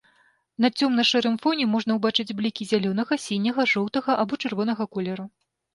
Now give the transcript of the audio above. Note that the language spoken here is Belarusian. На цёмна-шэрым фоне можна ўбачыць блікі зялёнага, сіняга, жоўтага або чырвонага колеру.